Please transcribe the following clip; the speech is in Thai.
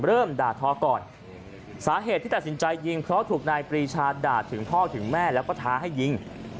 เริ่มด่าทอก่อนสาเหตุที่ตัดสินใจยิงเพราะถูกนายปรีชาด่าถึงพ่อถึงแม่แล้วก็ท้าให้ยิง